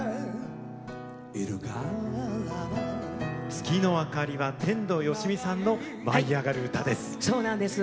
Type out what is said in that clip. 「月のあかり」は天童よしみさんの舞いあがる歌です。